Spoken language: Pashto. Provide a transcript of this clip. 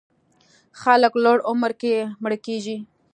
خلک لوړ عمر کې مړه کېږي.